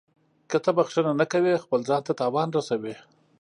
• که ته بښنه نه کوې، خپل ځان ته تاوان رسوې.